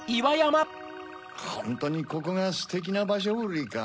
ホントにここがステキなばしょウリか？